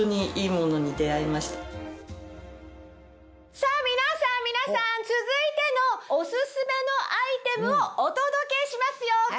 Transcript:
さぁ皆さん皆さん続いてのオススメのアイテムをお届けしますよ。